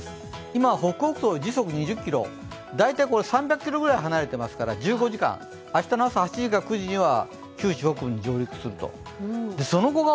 今、北北東時速２０キロ、大体３００ｋｍぐらい離れていますから、１５時間、明日の朝８時か９時には、九州北部に上陸すると。